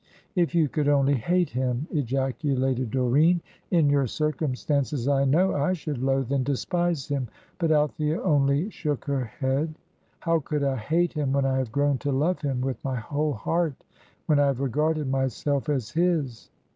"If you could only hate him!" ejaculated Doreen. "In your circumstances I know I should loathe and despise him." But Althea only shook her head. "How could I hate him, when I have grown to love him with my whole heart, when I have regarded myself as his."